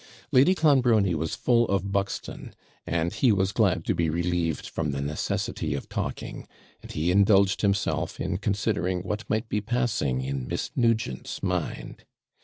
Lady Clonbrony was full of Buxton, and he was glad to be relieved from the necessity of talking; and he indulged himself in considering what might be passing in Miss Nugent's mind.